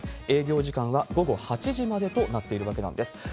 営業時間は午後８時までとなっているわけなんです。